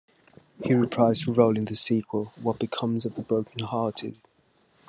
He reprised the role in the sequel, What Becomes of the Broken Hearted?